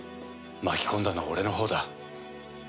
巻き込んだのは俺のほうだ。